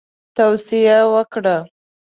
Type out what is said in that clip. توصیه وکړه.